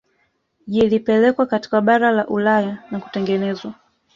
Yilipelekwa katika bara la Ulaya na kutengenezwa